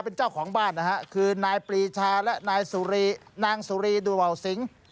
เป็นเจ้าของบ้านนะฮะคือนายปรีชาและนายนางสุรีดัวสิง